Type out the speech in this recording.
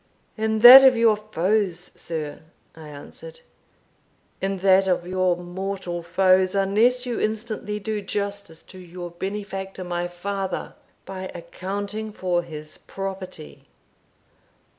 "In that of your foes, sir," I answered "in that of your mortal foes, unless you instantly do justice to your benefactor, my father, by accounting for his property."